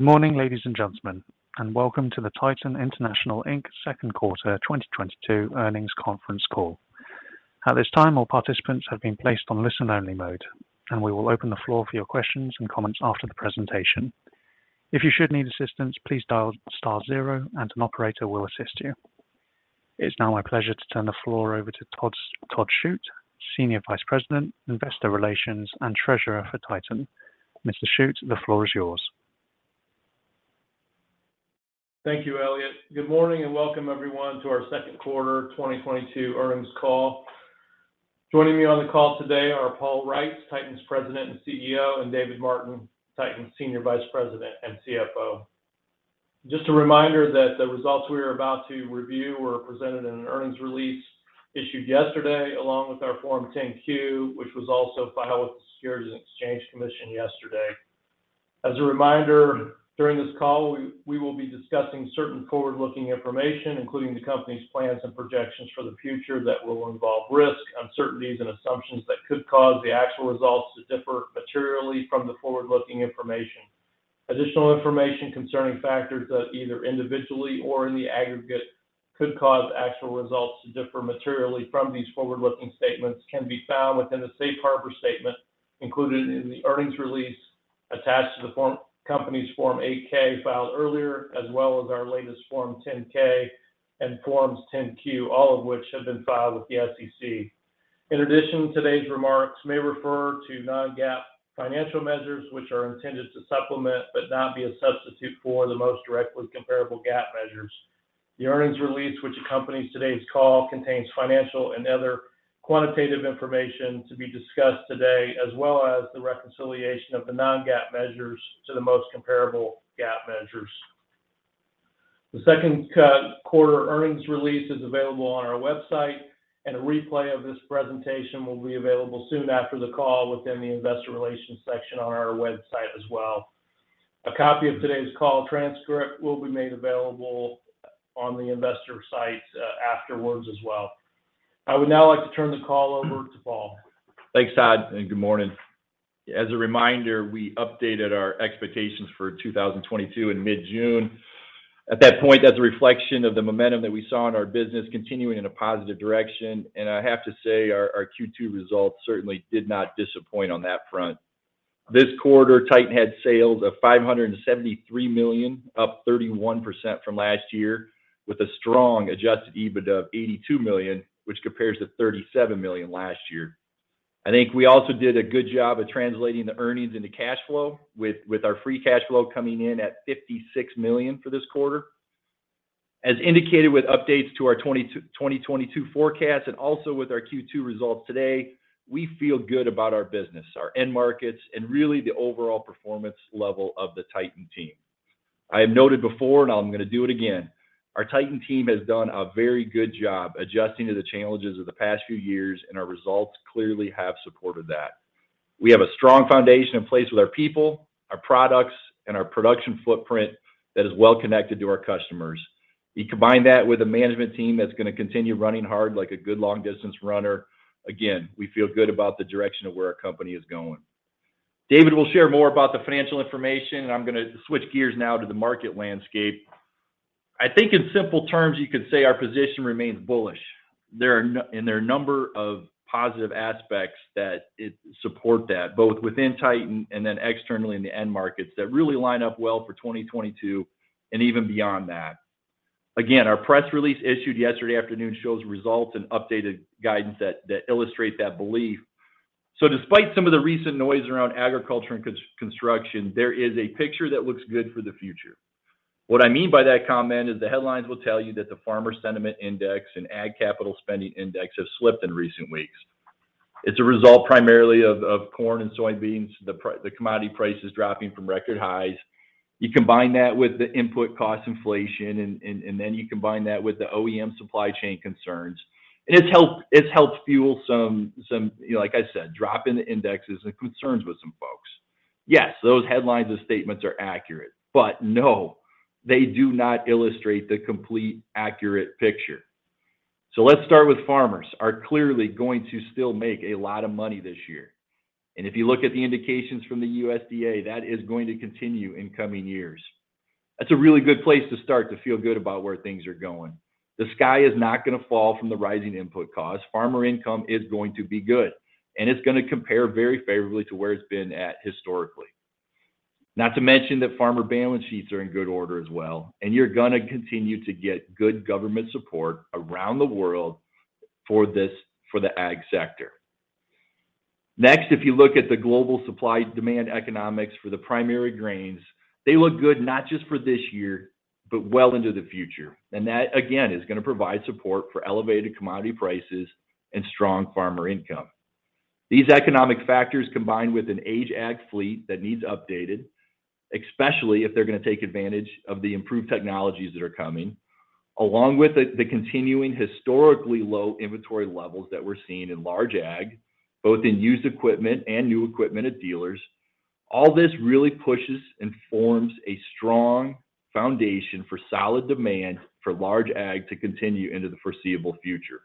Good morning, ladies and gentlemen, and welcome to the Titan International, Inc. second quarter 2022 earnings conference call. At this time, all participants have been placed on listen-only mode, and we will open the floor for your questions and comments after the presentation. If you should need assistance, please dial star zero and an operator will assist you. It's now my pleasure to turn the floor over to Todd Schuch, Senior Vice President, Investor Relations, and Treasurer for Titan. Mr. Schuch, the floor is yours. Thank you, Elliot. Good morning and welcome everyone to our second quarter 2022 earnings call. Joining me on the call today are Paul Reitz, Titan's President and CEO, and David Martin, Titan's Senior Vice President and CFO. Just a reminder that the results we are about to review were presented in an earnings release issued yesterday, along with our Form 10-Q, which was also filed with the Securities and Exchange Commission yesterday. As a reminder, during this call, we will be discussing certain forward-looking information, including the company's plans and projections for the future that will involve risk, uncertainties, and assumptions that could cause the actual results to differ materially from the forward-looking information. Additional information concerning factors that either individually or in the aggregate could cause actual results to differ materially from these forward-looking statements can be found within the safe harbor statement included in the earnings release attached to the company's Form 8-K filed earlier, as well as our latest Form 10-K and Forms 10-Q, all of which have been filed with the SEC. In addition, today's remarks may refer to non-GAAP financial measures, which are intended to supplement but not be a substitute for the most directly comparable GAAP measures. The earnings release, which accompanies today's call, contains financial and other quantitative information to be discussed today, as well as the reconciliation of the non-GAAP measures to the most comparable GAAP measures. The second quarter earnings release is available on our website, and a replay of this presentation will be available soon after the call within the investor relations section on our website as well. A copy of today's call transcript will be made available on the investor site afterwards as well. I would now like to turn the call over to Paul. Thanks, Todd, and good morning. As a reminder, we updated our expectations for 2022 in mid-June. At that point, that's a reflection of the momentum that we saw in our business continuing in a positive direction. I have to say our Q2 results certainly did not disappoint on that front. This quarter, Titan had sales of 573 million, up 31% from last year, with a strong adjusted EBITDA of 82 million, which compares to 37 million last year. I think we also did a good job of translating the earnings into cash flow with our free cash flow coming in at 56 million for this quarter. As indicated with updates to our 2022 forecast and also with our Q2 results today, we feel good about our business, our end markets, and really the overall performance level of the Titan team. I have noted before, and I'm going to do it again, our Titan team has done a very good job adjusting to the challenges of the past few years, and our results clearly have supported that. We have a strong foundation in place with our people, our products, and our production footprint that is well connected to our customers. You combine that with a management team that's going to continue running hard like a good long-distance runner. Again, we feel good about the direction of where our company is going. David will share more about the financial information. I'm going to switch gears now to the market landscape. I think in simple terms, you could say our position remains bullish. There are a number of positive aspects that support that, both within Titan and then externally in the end markets that really line up well for 2022 and even beyond that. Again, our press release issued yesterday afternoon shows results and updated guidance that illustrate that belief. Despite some of the recent noise around agriculture and construction, there is a picture that looks good for the future. What I mean by that comment is the headlines will tell you that the Farmer Sentiment Index and Farm Capital Investment Index have slipped in recent weeks. It's a result primarily of corn and soybeans, the commodity prices dropping from record highs. You combine that with the input cost inflation and then you combine that with the OEM supply chain concerns. It's helped fuel some, you know, like I said, drop in the indexes and concerns with some folks. Yes, those headlines and statements are accurate, but no, they do not illustrate the complete accurate picture. Let's start with farmers are clearly going to still make a lot of money this year. If you look at the indications from the USDA, that is going to continue in coming years. That's a really good place to start to feel good about where things are going. The sky is not going to fall from the rising input costs. Farmer income is going to be good, and it's going to compare very favorably to where it's been at historically. Not to mention that farmer balance sheets are in good order as well, and you're going to continue to get good government support around the world for this, for the ag sector. Next, if you look at the global supply-demand economics for the primary grains, they look good not just for this year, but well into the future. That, again, is going to provide support for elevated commodity prices and strong farmer income. These economic factors, combined with an aged ag fleet that needs updated, especially if they're going to take advantage of the improved technologies that are coming, along with the continuing historically low inventory levels that we're seeing in large ag, both in used equipment and new equipment at dealers, all this really pushes and forms a strong foundation for solid demand for large ag to continue into the foreseeable future.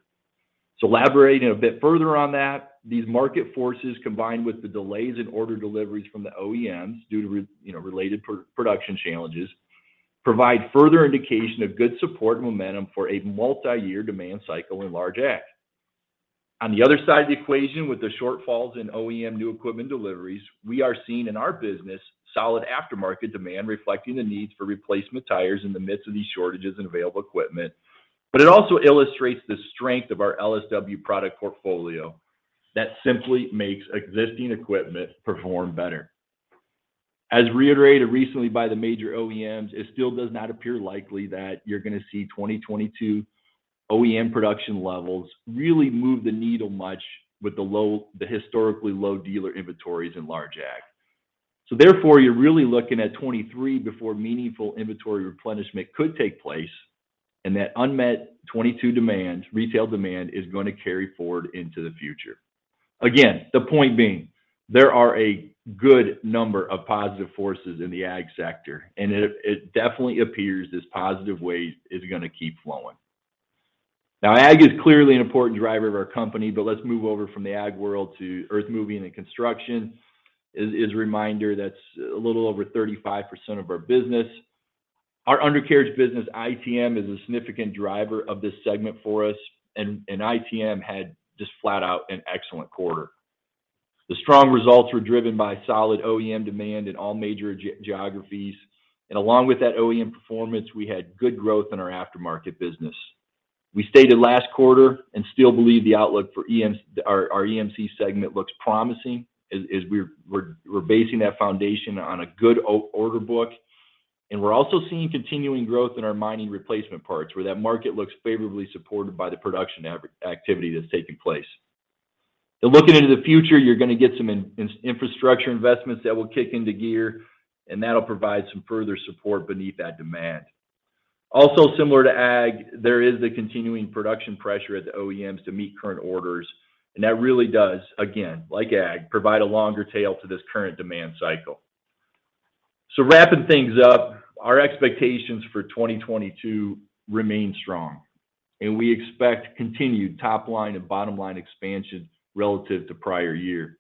Elaborating a bit further on that, these market forces combined with the delays in order deliveries from the OEMs due to, you know, related production challenges, provide further indication of good support and momentum for a multiyear demand cycle in large ag. On the other side of the equation with the shortfalls in OEM new equipment deliveries, we are seeing in our business solid aftermarket demand reflecting the needs for replacement tires in the midst of these shortages in available equipment. It also illustrates the strength of our LSW product portfolio that simply makes existing equipment perform better. As reiterated recently by the major OEMs, it still does not appear likely that you're going to see 2022 OEM production levels really move the needle much with the historically low dealer inventories in large ag. Therefore, you're really looking at 2023 before meaningful inventory replenishment could take place, and that unmet 2022 demand, retail demand is going to carry forward into the future. Again, the point being, there are a good number of positive forces in the ag sector, and it definitely appears this positive wave is going to keep flowing. Now, ag is clearly an important driver of our company, but let's move over from the ag world to earthmoving and construction. It's a reminder that's a little over 35% of our business. Our undercarriage business, ITM, is a significant driver of this segment for us and ITM had just flat out an excellent quarter. The strong results were driven by solid OEM demand in all major geographies. Along with that OEM performance, we had good growth in our aftermarket business. We stated last quarter and still believe the outlook for our EMC segment looks promising as we're basing that foundation on a good order book. We're also seeing continuing growth in our mining replacement parts, where that market looks favorably supported by the production activity that's taking place. Now looking into the future, you're going to get some infrastructure investments that will kick into gear, and that'll provide some further support beneath that demand. Also similar to ag, there is the continuing production pressure at the OEMs to meet current orders, and that really does, again, like ag, provide a longer tail to this current demand cycle. Wrapping things up, our expectations for 2022 remain strong, and we expect continued top line and bottom line expansion relative to prior year.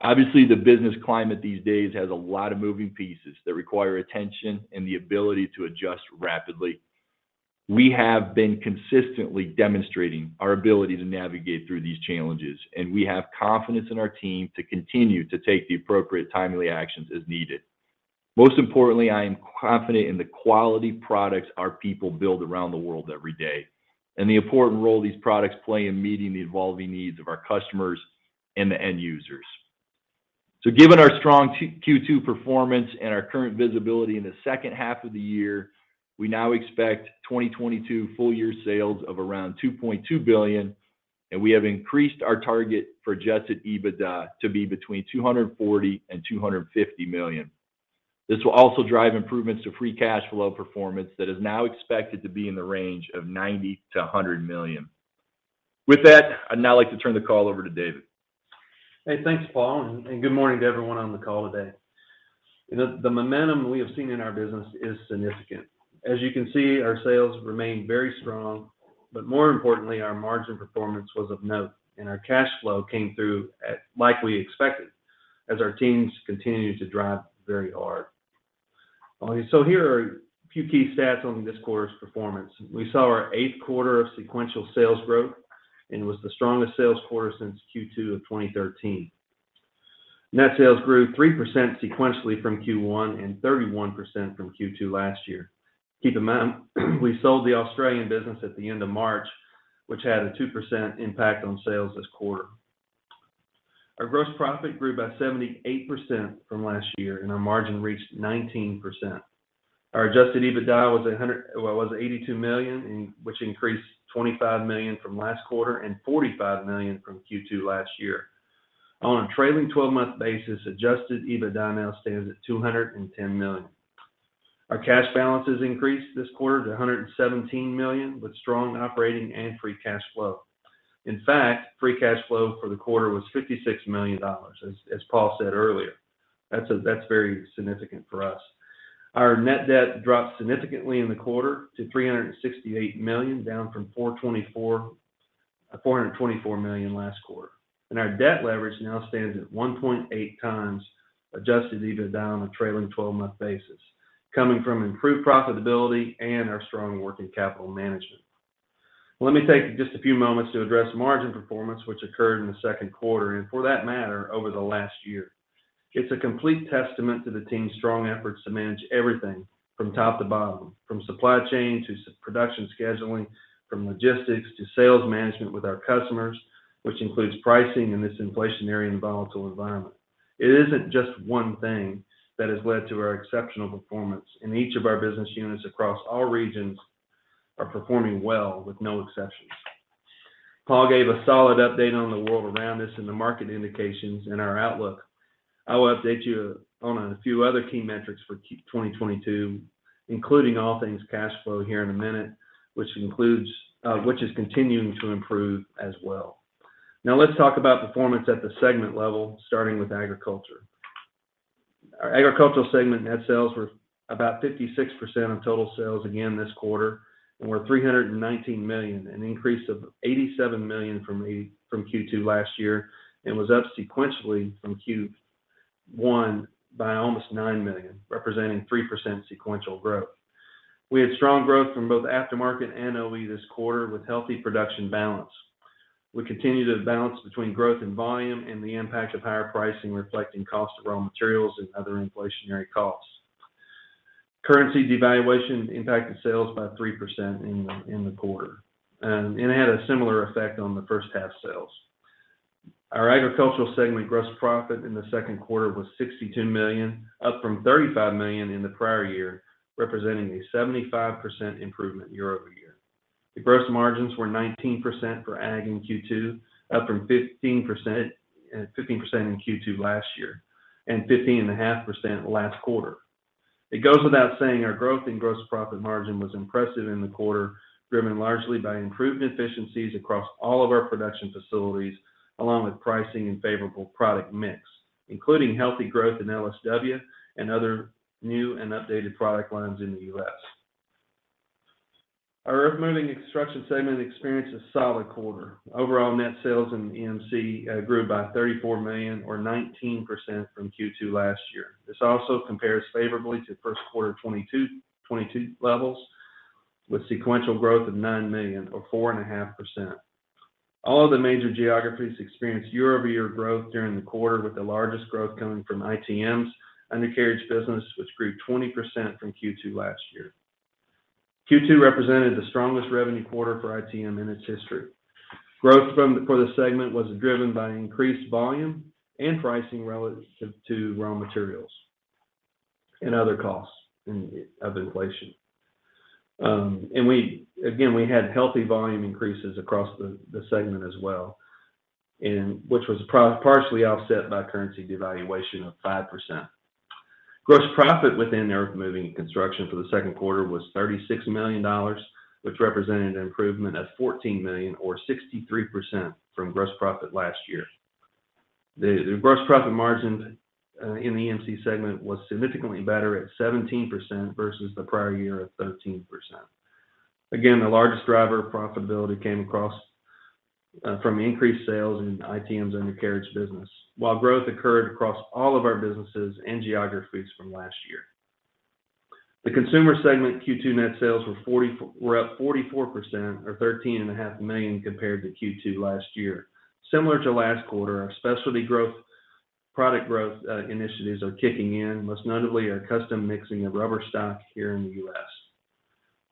Obviously, the business climate these days has a lot of moving pieces that require attention and the ability to adjust rapidly. We have been consistently demonstrating our ability to navigate through these challenges, and we have confidence in our team to continue to take the appropriate timely actions as needed. Most importantly, I am confident in the quality products our people build around the world every day and the important role these products play in meeting the evolving needs of our customers and the end users. Given our strong Q2 performance and our current visibility in the second half of the year, we now expect 2022 full year sales of around 2.2 billion, and we have increased our target for adjusted EBITDA to be between 240 and 250 million. This will also drive improvements to free cash flow performance that is now expected to be in the range of 90-100 million. With that, I'd now like to turn the call over to David. Hey, thanks, Paul, and good morning to everyone on the call today. You know, the momentum we have seen in our business is significant. As you can see, our sales remained very strong, but more importantly, our margin performance was of note, and our cash flow came through like we expected as our teams continued to drive very hard. Here are a few key stats on this quarter's performance. We saw our eighth quarter of sequential sales growth and was the strongest sales quarter since Q2 of 2013. Net sales grew 3% sequentially from Q1 and 31% from Q2 last year. Keep in mind we sold the Australian business at the end of March, which had a 2% impact on sales this quarter. Our gross profit grew by 78% from last year, and our margin reached 19%. Our adjusted EBITDA was 82 million, in which increased 25 million from last quarter and 45 million from Q2 last year. On a trailing twelve-month basis, adjusted EBITDA now stands at 210 million. Our cash balances increased this quarter to 117 million, with strong operating and free cash flow. In fact, free cash flow for the quarter was $56 million. As Paul said earlier, that's very significant for us. Our net debt dropped significantly in the quarter to 368 million, down from 424 million last quarter. Our debt leverage now stands at 1.8 times adjusted EBITDA on a trailing twelve-month basis, coming from improved profitability and our strong working capital management. Let me take just a few moments to address margin performance, which occurred in the second quarter and for that matter, over the last year. It's a complete testament to the team's strong efforts to manage everything from top to bottom, from supply chain to production scheduling, from logistics to sales management with our customers, which includes pricing in this inflationary and volatile environment. It isn't just one thing that has led to our exceptional performance, and each of our business units across all regions are performing well with no exceptions. Paul gave a solid update on the world around us and the market indications and our outlook. I will update you on a few other key metrics for Q2 2022, including all things cash flow here in a minute, which includes, which is continuing to improve as well. Now let's talk about performance at the segment level, starting with agriculture. Our agricultural segment net sales were about 56% of total sales again this quarter and were 319 million, an increase of 87 million from Q2 last year, and was up sequentially from Q1 by almost 9 million, representing 3% sequential growth. We had strong growth from both aftermarket and OE this quarter with healthy production balance. We continue to balance between growth and volume and the impact of higher pricing reflecting cost of raw materials and other inflationary costs. Currency devaluation impacted sales by 3% in the quarter, and it had a similar effect on the first half sales. Our agricultural segment gross profit in the second quarter was 62 million, up from 35 million in the prior year, representing a 75% improvement year-over-year. The gross margins were 19% for ag in Q2, up from 15%, 15% in Q2 last year and 15.5% last quarter. It goes without saying our growth in gross profit margin was impressive in the quarter, driven largely by improved efficiencies across all of our production facilities, along with pricing and favorable product mix, including healthy growth in LSW and other new and updated product lines in the U.S. Our Earthmoving and Construction segment experienced a solid quarter. Overall net sales in EMC grew by 34 million or 19% from Q2 last year. This also compares favorably to first quarter 2022 levels with sequential growth of 9 million or 4.5%. All of the major geographies experienced year-over-year growth during the quarter, with the largest growth coming from ITM's undercarriage business, which grew 20% from Q2 last year. Q2 represented the strongest revenue quarter for ITM in its history. Growth for the segment was driven by increased volume and pricing relative to raw materials and other costs of inflation. We again had healthy volume increases across the segment as well, which was partially offset by currency devaluation of 5%. Gross profit within Earthmoving and Construction for the second quarter was $36 million, which represented an improvement of 14 million or 63% from gross profit last year. The gross profit margin in the EMC segment was significantly better at 17% versus the prior year at 13%. Again, the largest driver of profitability came across from increased sales in ITM's undercarriage business, while growth occurred across all of our businesses and geographies from last year. The consumer segment Q2 net sales were up 44% or 13.5 million compared to Q2 last year. Similar to last quarter, our product growth initiatives are kicking in, most notably our custom mixing of rubber stock here in the U.S.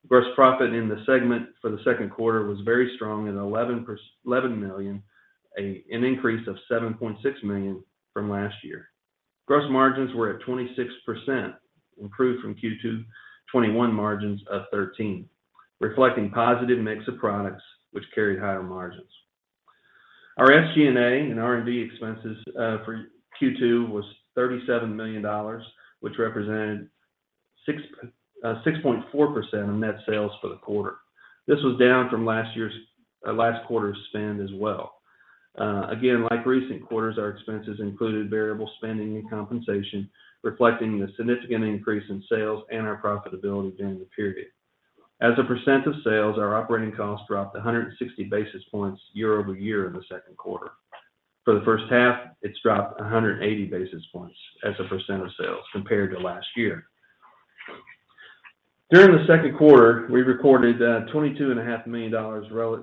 Gross profit in the segment for the second quarter was very strong at 11 million, an increase of 7.6 million from last year. Gross margins were at 26%, improved from Q2 2021 margins of 13%, reflecting positive mix of products which carried higher margins. Our SG&A and R&D expenses for Q2 was $37 million, which represented 6.4% of net sales for the quarter. This was down from last year's last quarter's spend as well. Again, like recent quarters, our expenses included variable spending and compensation, reflecting the significant increase in sales and our profitability during the period. As a percent of sales, our operating costs dropped 160 basis points year-over-year in the second quarter. For the first half, it's dropped 180 basis points as a percent of sales compared to last year. During the second quarter, we recorded $22.5 million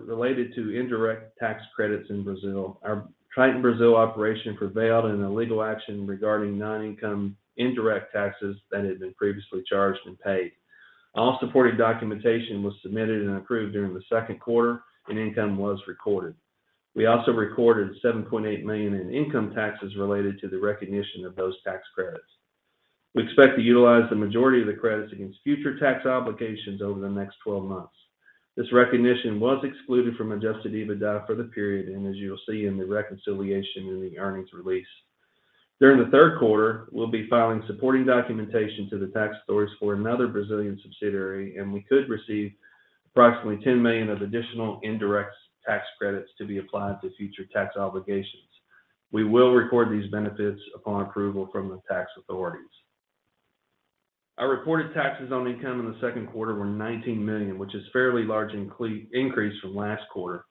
related to indirect tax credits in Brazil. Our Titan Brazil operation prevailed in a legal action regarding non-income indirect taxes that had been previously charged and paid. All supporting documentation was submitted and approved during the second quarter, and income was recorded. We also recorded 7.8 million in income taxes related to the recognition of those tax credits. We expect to utilize the majority of the credits against future tax obligations over the next 12 months. This recognition was excluded from adjusted EBITDA for the period, and as you will see in the reconciliation in the earnings release. During the third quarter, we'll be filing supporting documentation to the tax authorities for another Brazilian subsidiary, and we could receive approximately 10 million of additional indirect tax credits to be applied to future tax obligations. We will record these benefits upon approval from the tax authorities. Our reported taxes on income in the second quarter were 19 million, which is a fairly large increase from last quarter.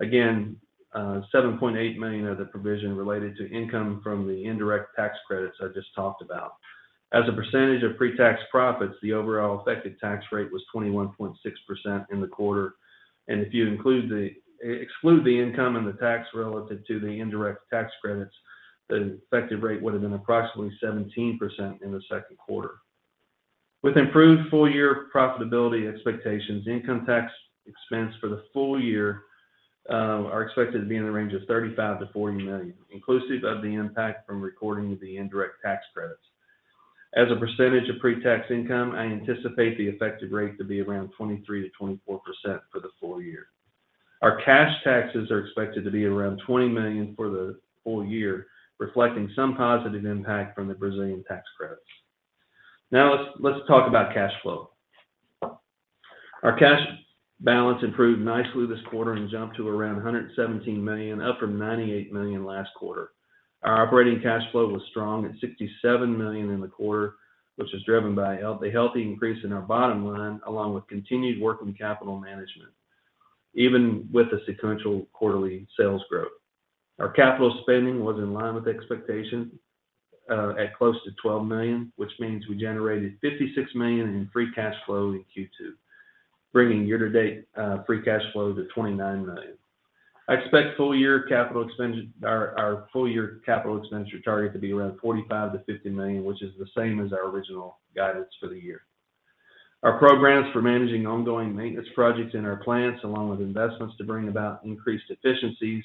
Again, 7.8 million of the provision related to income from the indirect tax credits I just talked about. As a percentage of pre-tax profits, the overall effective tax rate was 21.6% in the quarter. If you exclude the income and the tax relative to the indirect tax credits, the effective rate would have been approximately 17% in the second quarter. With improved full-year profitability expectations, income tax expense for the full year are expected to be in the range of 35 million-40 million, inclusive of the impact from recording the indirect tax credits. As a percentage of pre-tax income, I anticipate the effective rate to be around 23%-24% for the full year. Our cash taxes are expected to be around 20 million for the full year, reflecting some positive impact from the Brazilian tax credits. Now let's talk about cash flow. Our cash balance improved nicely this quarter and jumped to around 117 million, up from 98 million last quarter. Our operating cash flow was strong at 67 million in the quarter, which is driven by a healthy increase in our bottom line, along with continued working capital management, even with the sequential quarterly sales growth. Our capital spending was in line with expectations at close to 12 million, which means we generated 56 million in free cash flow in Q2, bringing year-to-date free cash flow to 29 million. I expect our full year capital expenditure target to be around 45-50 million, which is the same as our original guidance for the year. Our programs for managing ongoing maintenance projects in our plants, along with investments to bring about increased efficiencies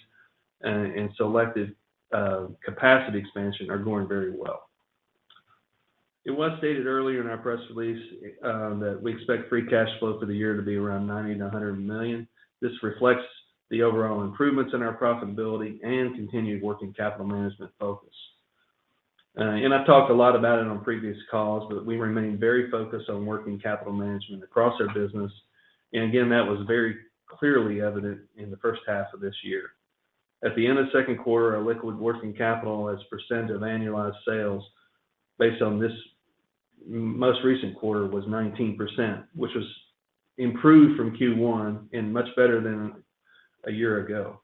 and selected capacity expansion are going very well. It was stated earlier in our press release that we expect free cash flow for the year to be around 90 million-100 million. This reflects the overall improvements in our profitability and continued working capital management focus. I've talked a lot about it on previous calls, but we remain very focused on working capital management across our business. Again, that was very clearly evident in the first half of this year. At the end of second quarter, our liquid working capital as a % of annualized sales based on this most recent quarter was 19%, which was improved from Q1 and much better than a year ago.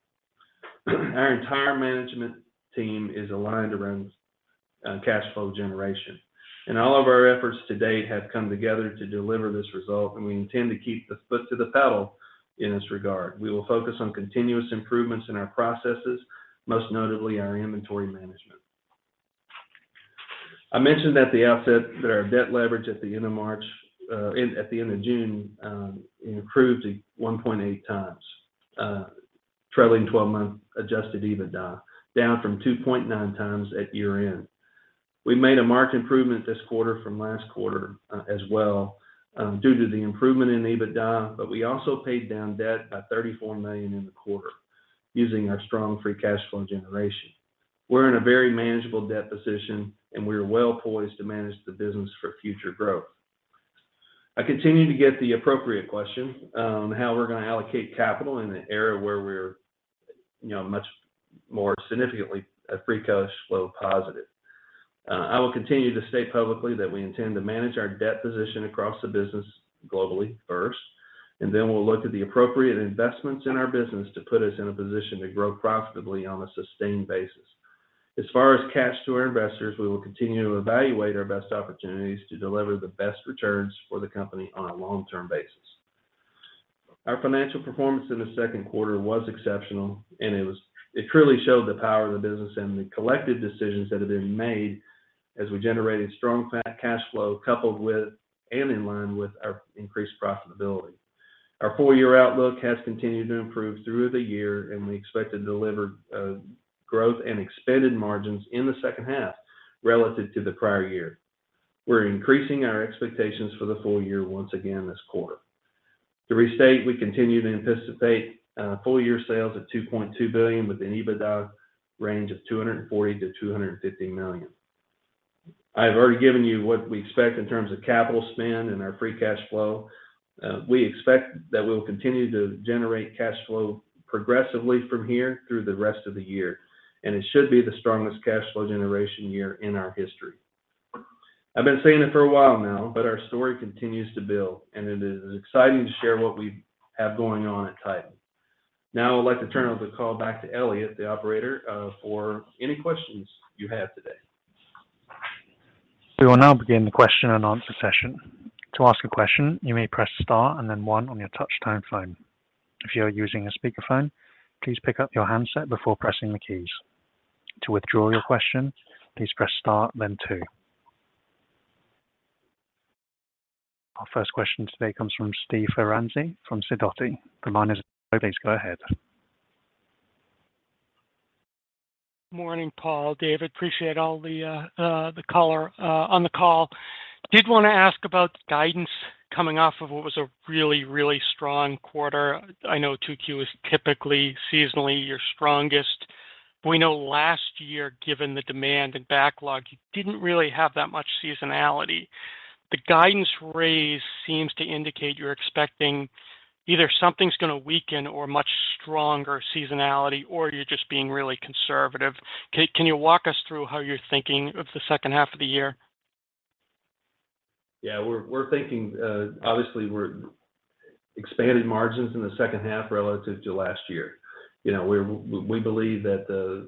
Our entire management team is aligned around cash flow generation. All of our efforts to date have come together to deliver this result, and we intend to keep the foot to the pedal in this regard. We will focus on continuous improvements in our processes, most notably our inventory management. I mentioned at the outset that our debt leverage at the end of March, at the end of June, improved to 1.8 times trailing 12-month adjusted EBITDA, down from 2.9 times at year-end. We made a marked improvement this quarter from last quarter, as well, due to the improvement in EBITDA, but we also paid down debt by 34 million in the quarter using our strong free cash flow generation. We're in a very manageable debt position, and we are well poised to manage the business for future growth. I continue to get the appropriate question, how we're going to allocate capital in an era where we're, you know, much more significantly a free cash flow positive. I will continue to state publicly that we intend to manage our debt position across the business globally first, and then we'll look at the appropriate investments in our business to put us in a position to grow profitably on a sustained basis. As far as cash to our investors, we will continue to evaluate our best opportunities to deliver the best returns for the company on a long-term basis. Our financial performance in the second quarter was exceptional, and it truly showed the power of the business and the collective decisions that have been made as we generated strong cash flow coupled with and in line with our increased profitability. Our full year outlook has continued to improve through the year, and we expect to deliver growth and expanded margins in the second half relative to the prior year. We're increasing our expectations for the full year once again this quarter. To restate, we continue to anticipate full year sales of 2.2 billion with an EBITDA range of 240 million-250 million. I've already given you what we expect in terms of capital spend and our free cash flow. We expect that we'll continue to generate cash flow progressively from here through the rest of the year, and it should be the strongest cash flow generation year in our history. I've been saying it for a while now, but our story continues to build, and it is exciting to share what we have going on at Titan. Now I'd like to turn over the call back to Elliot, the operator, for any questions you have today. We will now begin the question and answer session. To ask a question, you may press star and then one on your touch tone phone. If you are using a speakerphone, please pick up your handset before pressing the keys. To withdraw your question, please press star then two. Our first question today comes from Steve Ferazani from Sidoti & Company. The line is open. Please go ahead. Morning, Paul, David. Appreciate all the color on the call. Did want to ask about guidance coming off of what was a really strong quarter. I know 2Q is typically seasonally your strongest. We know last year, given the demand and backlog, you didn't really have that much seasonality. The guidance raise seems to indicate you're expecting either something's going to weaken or much stronger seasonality, or you're just being really conservative. Can you walk us through how you're thinking of the second half of the year? Yeah. We're thinking, obviously we're expanding margins in the second half relative to last year. You know, we believe that,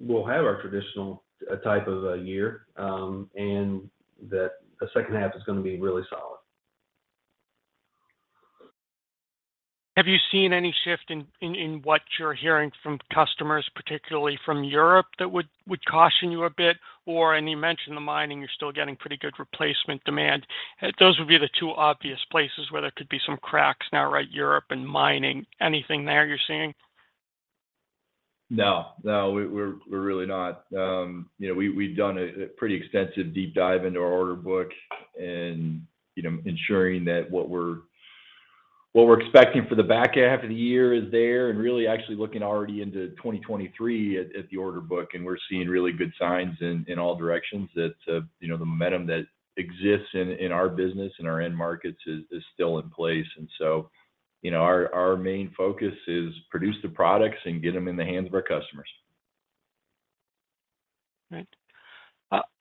we'll have our traditional type of a year, and that the second half is going to be really solid. Have you seen any shift in what you're hearing from customers, particularly from Europe that would caution you a bit? You mentioned the mining, you're still getting pretty good replacement demand. Those would be the two obvious places where there could be some cracks now, right? Europe and mining. Anything there you're seeing? No. We're really not. You know, we've done a pretty extensive deep dive into our order book and, you know, ensuring that what we're expecting for the back half of the year is there and really actually looking already into 2023 at the order book, and we're seeing really good signs in all directions that, you know, the momentum that exists in our business and our end markets is still in place. You know, our main focus is produce the products and get them in the hands of our customers. Right.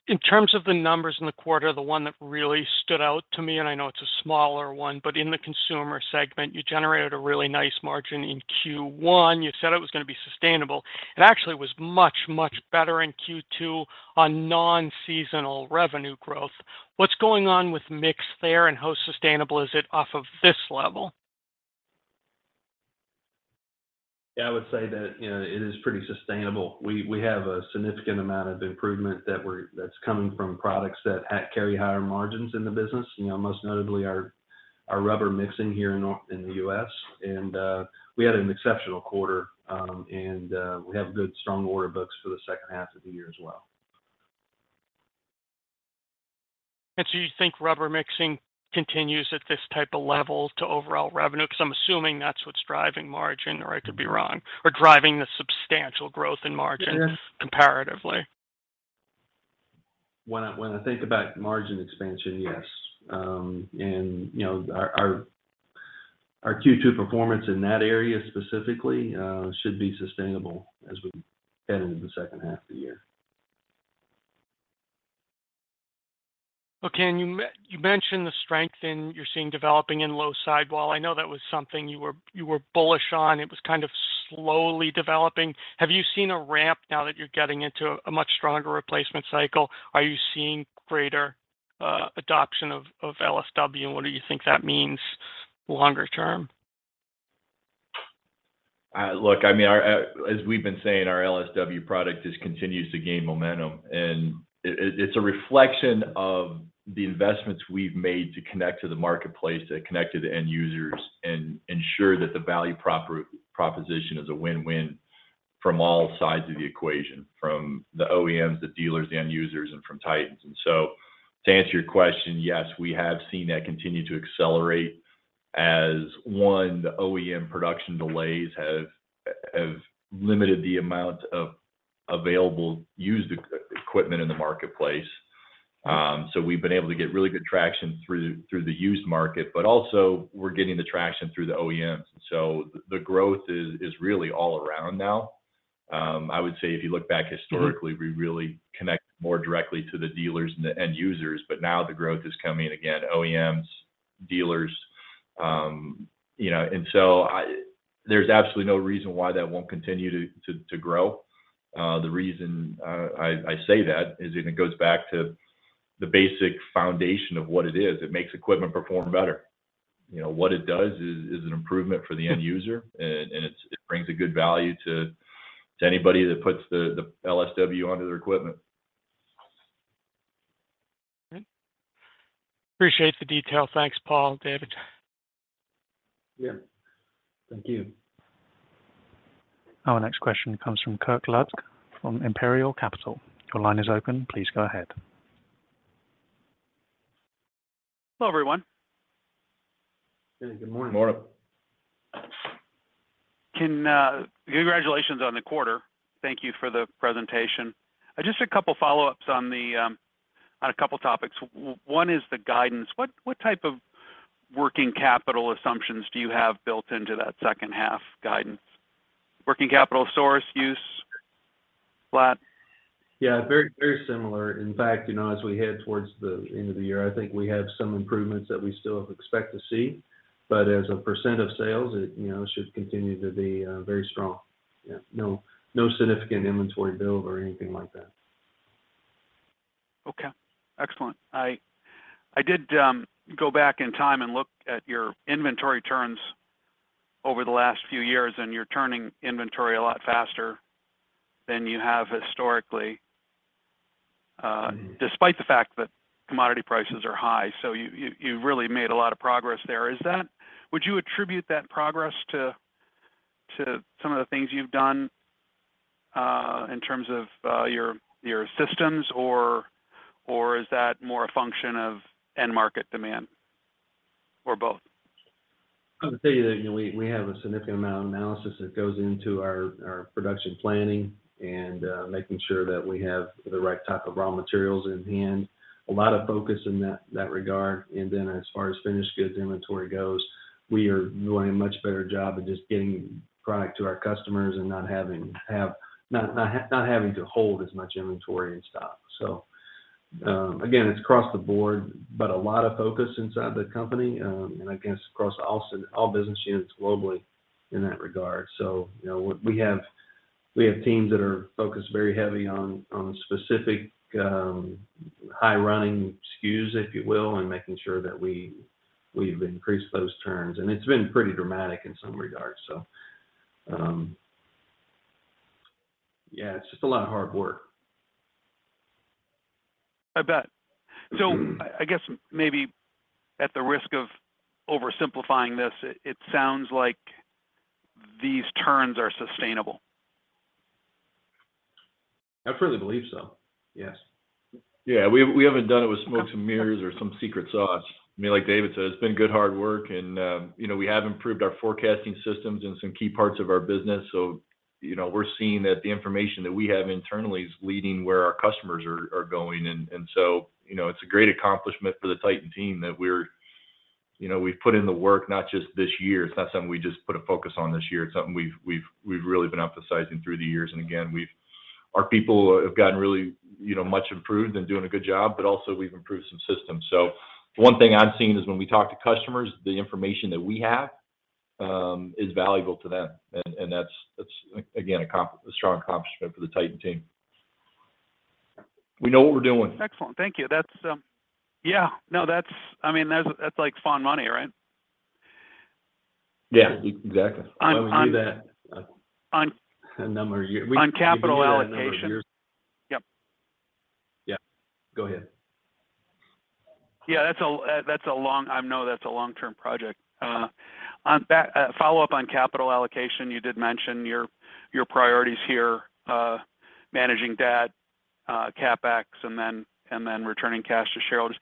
In terms of the numbers in the quarter, the one that really stood out to me, and I know it's a smaller one, but in the consumer segment, you generated a really nice margin in Q1. You said it was going to be sustainable. It actually was much, much better in Q2 on non-seasonal revenue growth. What's going on with mix there, and how sustainable is it off of this level? Yeah, I would say that, you know, it is pretty sustainable. We have a significant amount of improvement that's coming from products that carry higher margins in the business. You know, most notably our rubber mixing here in the U.S. We had an exceptional quarter, and we have good strong order books for the second half of the year as well. You think rubber mixing continues at this type of level to overall revenue? Because I'm assuming that's what's driving margin, or I could be wrong, or driving the substantial growth in margin. Yes Comparatively. When I think about margin expansion, yes. You know, our Q2 performance in that area specifically should be sustainable as we head into the second half of the year. Okay. You mentioned the strength you're seeing developing in Low Sidewall. I know that was something you were bullish on. It was kind of slowly developing. Have you seen a ramp now that you're getting into a much stronger replacement cycle? Are you seeing greater adoption of LSW, and what do you think that means longer term? Look, I mean, our, as we've been saying, our LSW product just continues to gain momentum. It, it's a reflection of the investments we've made to connect to the marketplace, to connect to the end users, and ensure that the value proposition is a win-win from all sides of the equation, from the OEMs, the dealers, the end users, and from Titan's. To answer your question, yes, we have seen that continue to accelerate as, one, the OEM production delays have limited the amount of available used equipment in the marketplace. We've been able to get really good traction through the used market, but also we're getting the traction through the OEMs. The growth is really all around now. I would say if you look back historically. Mm-hmm We really connect more directly to the dealers and the end users. Now the growth is coming again, OEMs, dealers, you know. There's absolutely no reason why that won't continue to grow. The reason I say that is it goes back to the basic foundation of what it is. It makes equipment perform better. You know, what it does is an improvement for the end user, and it brings a good value to anybody that puts the LSW onto their equipment. Okay. Appreciate the detail. Thanks, Paul, David. Yeah. Thank you. Our next question comes from Kirk Ludtke from Imperial Capital. Your line is open. Please go ahead. Hello, everyone. Hey, good morning. Morning. Congratulations on the quarter. Thank you for the presentation. Just a couple follow-ups on a couple topics. One is the guidance. What type of working capital assumptions do you have built into that second half guidance? Working capital source use, flat? Yeah, very, very similar. In fact, you know, as we head towards the end of the year, I think we have some improvements that we still expect to see. But as a % of sales, it, you know, should continue to be very strong. Yeah. No, no significant inventory build or anything like that. Okay. Excellent. I did go back in time and look at your inventory turns over the last few years, and you're turning inventory a lot faster than you have historically. Mm-hmm... despite the fact that commodity prices are high. You really made a lot of progress there. Would you attribute that progress to some of the things you've done in terms of your systems, or is that more a function of end market demand, or both? I would tell you that we have a significant amount of analysis that goes into our production planning and making sure that we have the right type of raw materials in hand. A lot of focus in that regard. Then as far as finished goods inventory goes, we are doing a much better job of just getting product to our customers and not having to hold as much inventory in stock. Again, it's across the board, but a lot of focus inside the company and I guess across all business units globally in that regard. You know, we have teams that are focused very heavy on specific high running SKUs, if you will, and making sure that we've increased those turns. It's been pretty dramatic in some regards. Yeah, it's just a lot of hard work. I bet. Mm-hmm. I guess maybe at the risk of oversimplifying this, it sounds like these turns are sustainable. I firmly believe so. Yes. Yeah. We haven't done it with smokes and mirrors or some secret sauce. I mean, like David said, it's been good hard work and, you know, we have improved our forecasting systems in some key parts of our business. You know, we're seeing that the information that we have internally is leading where our customers are going. You know, it's a great accomplishment for the Titan team that we're you know we've put in the work not just this year. It's not something we just put a focus on this year. It's something we've really been emphasizing through the years. Our people have gotten really, you know, much improved and doing a good job, but also we've improved some systems. One thing I'm seeing is when we talk to customers, the information that we have is valuable to them. That's, again, a strong accomplishment for the Titan team. We know what we're doing. Excellent. Thank you. That's, yeah. No, that's. I mean, that's like fun money, right? Yeah, exactly. On, on- We do that. On- A number of years. We can do that a number of years. On capital allocation. Yep. Yeah, go ahead. I know that's a long-term project. Uh-huh. On that, a follow-up on capital allocation. You did mention your priorities here, managing debt, CapEx, and then returning cash to shareholders.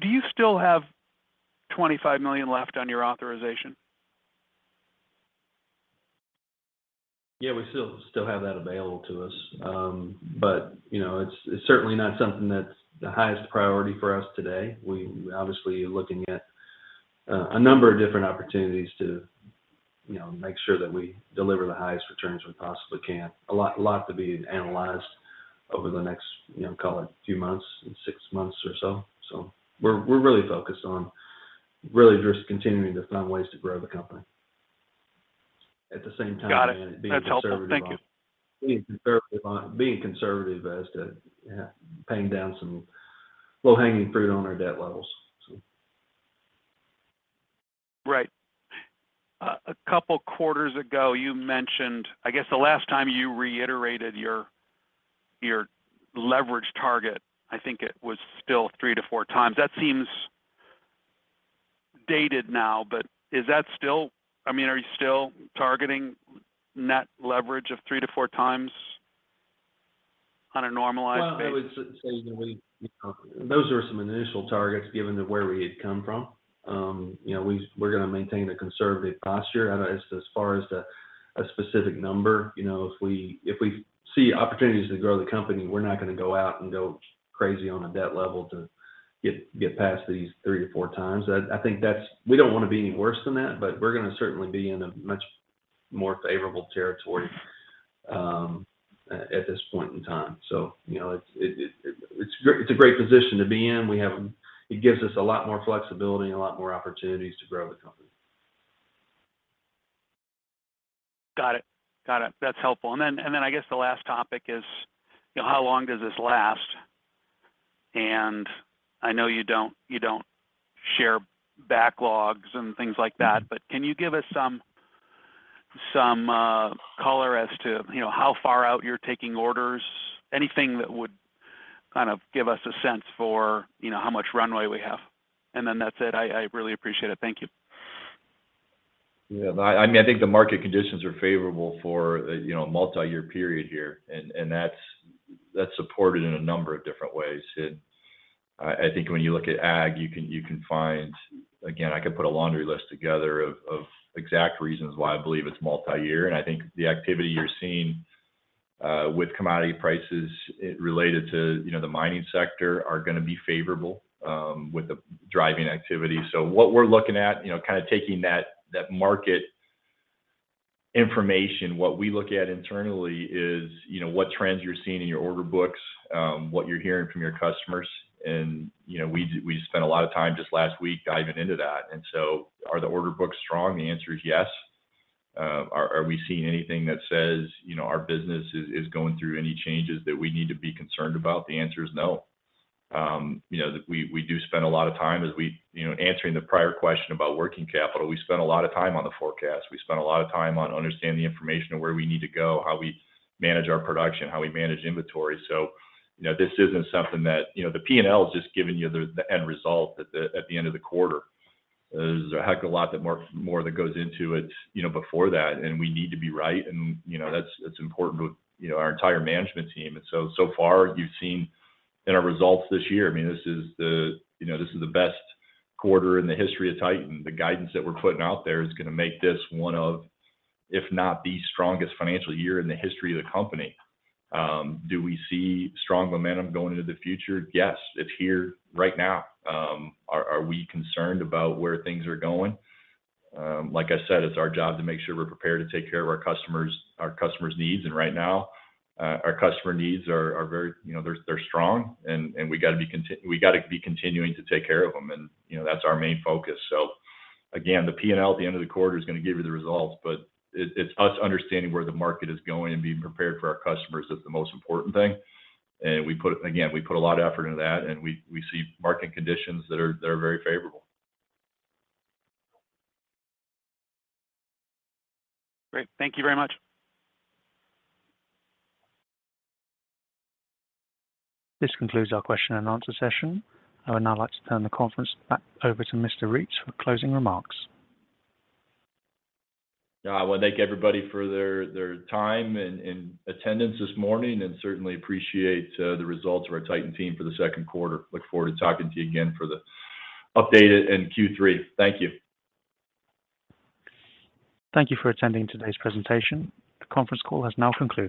Do you still have $25 million left on your authorization? Yeah, we still have that available to us. You know, it's certainly not something that's the highest priority for us today. We obviously are looking at a number of different opportunities to, you know, make sure that we deliver the highest returns we possibly can. A lot to be analyzed over the next, you know, call it few months, six months or so. We're really focused on really just continuing to find ways to grow the company. At the same time. Got it. That's helpful. Thank you. being conservative as to, yeah, paying down some low-hanging fruit on our debt levels, so. Right. A couple quarters ago, you mentioned. I guess the last time you reiterated your leverage target, I think it was still three-four times. That seems dated now, but is that still? I mean, are you still targeting net leverage of three-four times on a normalized base? Well, I would say that we, you know, those are some initial targets given to where we had come from. You know, we're going to maintain the conservative posture. As far as a specific number, you know, if we see opportunities to grow the company, we're not going to go out and go crazy on a debt level to get past these three-four times. I think that's. We don't want to be any worse than that, but we're going to certainly be in a much more favorable territory, at this point in time. You know, it's a great position to be in. We have. It gives us a lot more flexibility and a lot more opportunities to grow the company. Got it. Got it. That's helpful. Then I guess the last topic is, you know, how long does this last? I know you don't share backlogs and things like that, but can you give us some color as to, you know, how far out you're taking orders? Anything that would kind of give us a sense for, you know, how much runway we have. Then that's it. I really appreciate it. Thank you. Yeah. I mean, I think the market conditions are favorable for the you know multi-year period here, and that's supported in a number of different ways. I think when you look at ag, you can find. Again, I could put a laundry list together of exact reasons why I believe it's multi-year. I think the activity you're seeing with commodity prices related to you know the mining sector are going to be favorable with the driving activity. What we're looking at you know kind of taking that market information, what we look at internally is you know what trends you're seeing in your order books, what you're hearing from your customers. You know, we spent a lot of time just last week diving into that. Are the order books strong? The answer is yes. Are we seeing anything that says, you know, our business is going through any changes that we need to be concerned about? The answer is no. You know, we do spend a lot of time answering the prior question about working capital. We spend a lot of time on the forecast. We spend a lot of time on understanding the information of where we need to go, how we manage our production, how we manage inventory. You know, this isn't something that you know, the P&L is just giving you the end result at the end of the quarter. There's a heck of a lot more that goes into it, you know, before that, and we need to be right, and, you know, that's important to, you know, our entire management team. So far, you've seen in our results this year, I mean, this is the best quarter in the history of Titan. The guidance that we're putting out there is going to make this one of, if not the strongest financial year in the history of the company. Do we see strong momentum going into the future? Yes. It's here right now. Are we concerned about where things are going? Like I said, it's our job to make sure we're prepared to take care of our customers, our customers' needs. Right now, our customer needs are very, you know, they're strong and we gotta be continuing to take care of them, you know, that's our main focus. Again, the P&L at the end of the quarter is going to give you the results, but it's us understanding where the market is going and being prepared for our customers that's the most important thing. We put again a lot of effort into that and we see market conditions that are very favorable. Great. Thank you very much. This concludes our question and answer session. I would now like to turn the conference back over to Mr. Reitz for closing remarks. Yeah. I want to thank everybody for their time and attendance this morning, and certainly appreciate the results of our Titan team for the second quarter. Look forward to talking to you again for the updated in Q3. Thank you. Thank you for attending today's presentation. The conference call has now concluded.